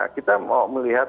kita mau melihat